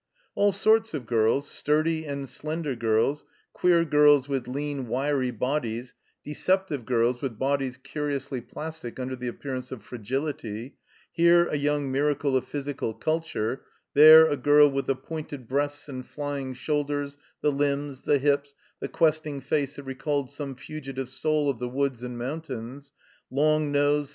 All sorts of girls — sturdy and slender girls; queer girls with lean, wiry bodies; deceptive girls with bodies ciuiously plEistic under the appearance of fragility; here a young miracle of physical culture; there a girl with the pointed breasts and flying shotdders, the limbs, the hips, the questing face that recalled some fugitive soul of the woods and moun tains; long nosed.